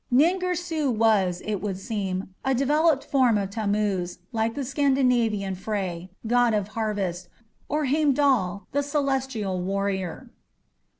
Nin Girsu was, it would seem, a developed form of Tammuz, like the Scandinavian Frey, god of harvest, or Heimdal, the celestial warrior.